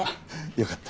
よかった。